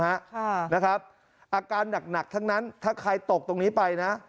อาการหนักทั้งนั้นถ้าใครตกตรงนี้ไปนะ